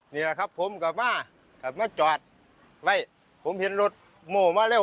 นี่แหละครับผมกลับมากลับมาจอดไม่ผมเห็นรถโม่มาเร็